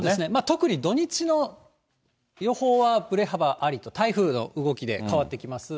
特に土日の予報はぶれ幅ありと、台風の動きで変わってきます。